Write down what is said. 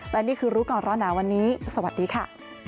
และนี่คือรู้ก่อนร้อนหนาวันนี้สวัสดีค่ะ